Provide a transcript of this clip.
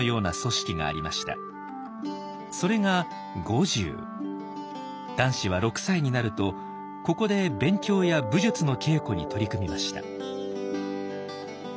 それが男子は６歳になるとここで勉強や武術の稽古に取り組みました。